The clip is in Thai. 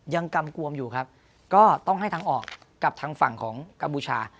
กำกวมอยู่ครับก็ต้องให้ทางออกกับทางฝั่งของกัมพูชา